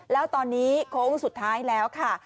แล้วตอนนี้โค้งสุดท้ายแล้วค่ะ